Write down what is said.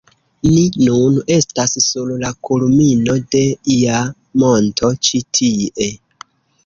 Ni nun estas sur la kulmino de ia monto ĉi tie